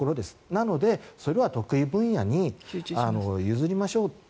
なので、それは得意分野に譲りましょう。